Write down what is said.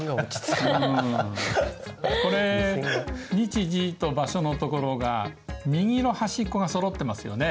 これ日時と場所のところが右の端っこが揃ってますよね。